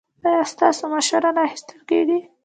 ایا ستاسو مشوره نه اخیستل کیږي؟